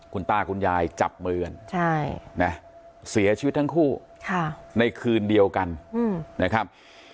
คุณตาคุณยายจับมือกันเสียชีวิตทั้งคู่ในคืนเดียวกันนะครับ